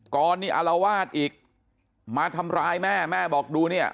ก่อนนี้อารวาสอีกมาทำร้ายแม่แม่บอกดูเนี่ย